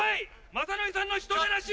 雅紀さんの人でなし！